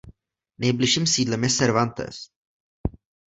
Nejbližším sídlem je Cervantes.